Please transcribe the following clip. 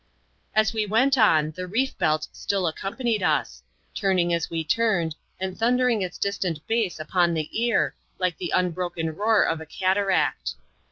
As we went on, the reef belt still accompanied us ; turning as we turned, and thundering its distant bass upon the ear, like the unbroken roar of a cataract.